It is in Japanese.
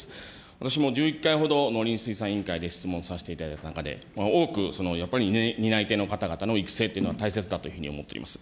私も１１回ほど、農林水産委員会で質問をさせていただいた中で、多くやっぱり担い手の方々の育成というのは大切だというふうに思っております。